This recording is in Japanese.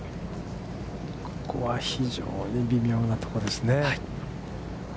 ここは非常に微妙なとこですね。